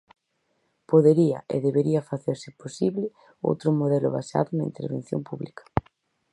Podería e debería facerse posible outro modelo baseado na intervención pública.